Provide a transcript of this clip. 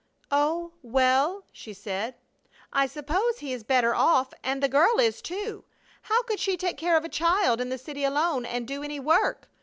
"Oh, well," she said, "I suppose he is better off, and the girl is, too. How could she take care of a child in the city alone, and do any work?